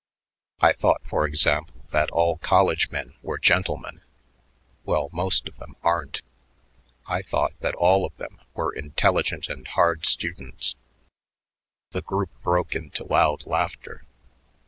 I thought, for example, that all college men were gentlemen; well, most of them aren't. I thought that all of them were intelligent and hard students." The group broke into loud laughter.